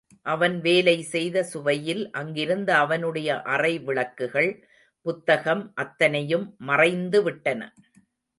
அவன் வேலை செய்த சுவையில், அங்கிருந்த அவனுடைய அறை விளக்குகள், புத்தகம் அத்தனையும் மறைந்து விட்டன.